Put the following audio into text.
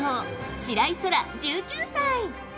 白井空良、１９歳。